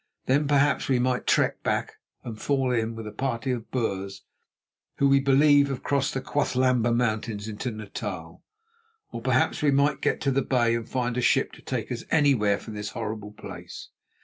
Then perhaps we might trek back and fall in with a party of Boers who, we believe, have crossed the Quathlamba Mountains into Natal. Or perhaps we might get to the Bay and find a ship to take us anywhere from this horrible place.